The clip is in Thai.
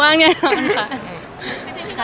ว่างแน่นอนค่ะ